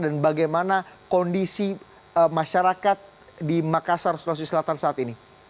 dan bagaimana kondisi masyarakat di makassar sulawesi selatan saat ini